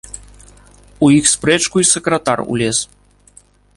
У іх спрэчку й сакратар улез.